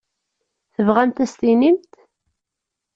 Tebɣamt ad as-tinimt?